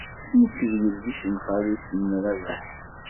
Nekk d yelli-s n xali-s n Rabaḥ.